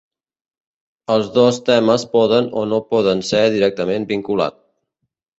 Els dos temes poden o no poden ser directament vinculat.